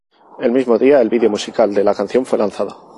El mismo día, el video musical de la canción fue lanzado.